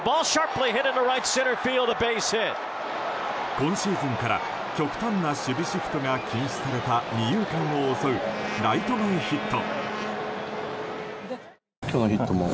今シーズンから極端な守備シフトが禁止された二遊間を襲うライト前ヒット。